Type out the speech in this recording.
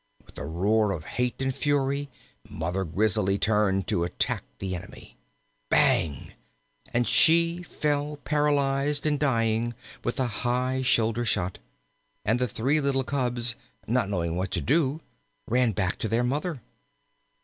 With a roar of hate and fury Mother Grizzly turned to attack the enemy. Bang! and she fell paralyzed and dying with a high shoulder shot. And the three little cubs, not knowing what to do, ran back to their Mother.